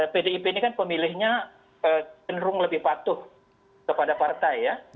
pdip ini kan pemilihnya cenderung lebih patuh kepada partai ya